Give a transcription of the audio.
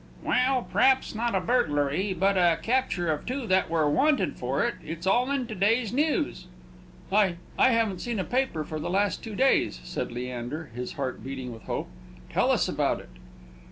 "Well, p'r'aps not a burglary; but a capture of two that were 'wanted' for it. It's all in to day's News." "I I haven't seen a paper for the last two days," said Leander, his heart beating with hope. "Tell us about it!"